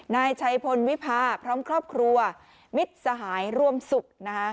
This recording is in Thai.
นายชัยพลวิพาพร้อมครอบครัวมิตรสหายร่วมสุขนะคะ